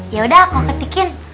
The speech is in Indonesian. yaudah aku ketikin